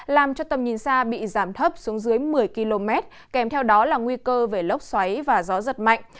làm cho tầm nhìn xa bị giảm thấp xuống dưới một mươi km kèm theo đó là nguy cơ về lốc xoáy và gió giật mạnh